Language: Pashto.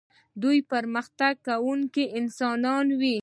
دوی پرمختګ کوونکي انسانان وي.